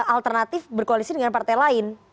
alternatif berkoalisi dengan partai lain